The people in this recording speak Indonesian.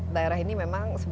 daerah ini memang